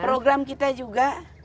program kita juga